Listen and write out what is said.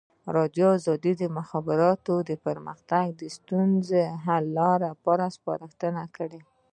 ازادي راډیو د د مخابراتو پرمختګ د ستونزو حل لارې سپارښتنې کړي.